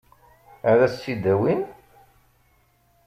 Ad s-tt-id-awin?